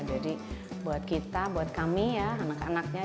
jadi buat kita buat kami ya anak anaknya